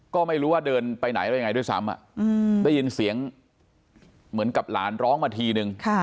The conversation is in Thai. ก็ไม่รู้ว่าเดินไปไหนอะไรยังไงด้วยซ้ำได้ยินเสียงเหมือนกับหลานร้องมาทีนึง